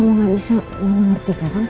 aku udah mau masuk